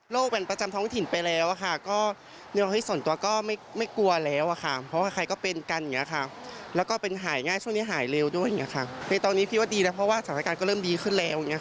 เริ่มเปิดแม้เพราะว่าสถานการณ์ก็เริ่มดีขึ้น